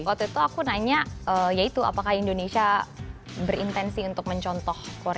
waktu itu aku nanya ya itu apakah indonesia berintensi untuk mencontoh korea dalam kesehatan